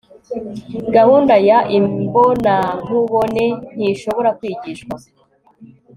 Gahunda ya imbonankubone ntishobora kwigishwa